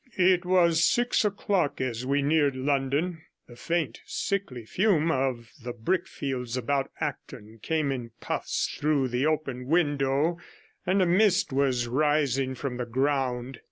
It was six o'clock as we neared London; the faint, sickly fume of the brickfields about Acton came in puffs through the open window, and a mist was rising from the ground.